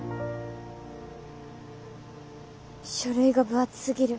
書類が分厚すぎる。